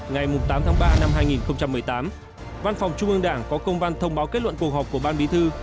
ngày tám tháng ba năm hai nghìn một mươi tám văn phòng trung ương đảng có công văn thông báo kết luận cuộc họp của ban bí thư